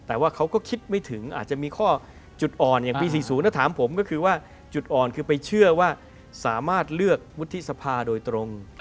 แต่ว่าเขาก็คิดไม่ถึงอาจจะมีข้อจุดอ่อนอย่างปี๔๐ถ้าถามผมก็คือว่าจุดอ่อนคือไปเชื่อว่าสามารถเลือกวุฒิสภาโดยตรง